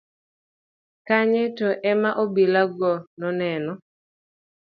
kanye to ema obila go noneno